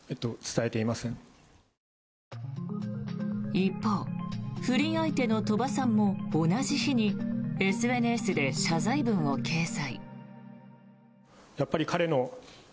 一方、不倫相手の鳥羽さんも同じ日にＳＮＳで謝罪文を掲載。